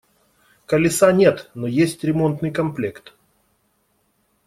Колеса нет, но есть ремонтный комплект.